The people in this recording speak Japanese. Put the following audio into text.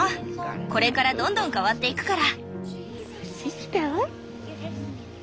これからどんどん変わっていくから。